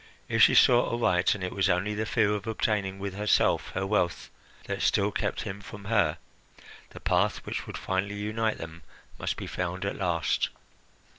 If she saw aright, and it was only the fear of obtaining, with herself, her wealth, that still kept him from her, the path which would finally unite them must be found at last.